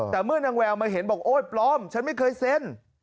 แต่เมื่อนางแววมาเห็นบอกโอ๊ยปลอมฉันไม่เคยเซ็น